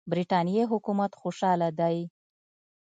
برټانیې حکومت خوشاله دی.